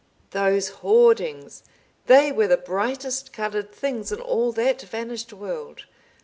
Those hoardings! They were the brightest colored things in all that vanished world.